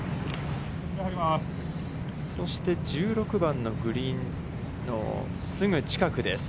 そして１６番のグリーンのすぐ近くです。